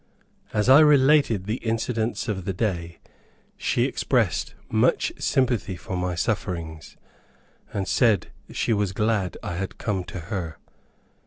As I related the incidents of the day, she expressed much sympathy for my sufferings, and said she was glad I had come to her.